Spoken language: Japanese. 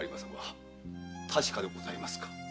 確かでございますか。